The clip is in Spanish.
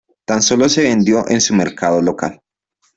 Tan solo se vendió en su mercado local.